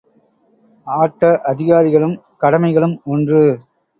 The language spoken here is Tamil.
ஆட்ட அதிகாரிகளும் கடமைகளும் ஒன்று.